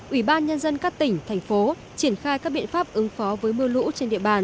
ủy ban nhân dân các tỉnh thành phố triển khai các biện pháp ứng phó với mưa lũ trên địa bàn